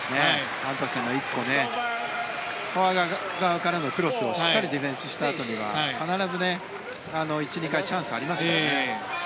アントンセンのフォア側からのクロスをしっかりディフェンスしたあとには必ず１２回チャンスがありますよね。